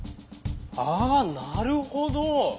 ああなるほど！